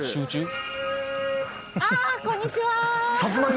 ああこんにちは！